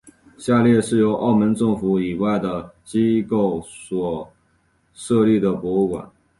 下列是由澳门政府以外的机构所设立的博物馆。